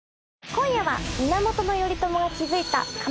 今夜は源頼朝が築いた。